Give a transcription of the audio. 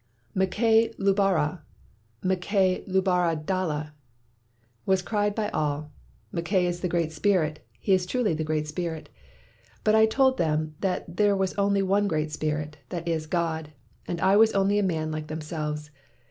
"Mahay lubare! Mahay lubare data!" was cried by all. [Mackay is the great spirit, he is truly the great spirit.] But I told them that there was only one great Spirit, that is, God, and I was only a man like themselves.